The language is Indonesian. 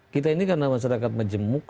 kita ini karena masyarakat majemuk